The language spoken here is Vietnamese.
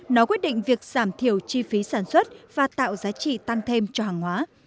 nó quyết định việc giảm thiểu chi phí sản xuất và tạo giá trị tăng thêm cho hàng hóa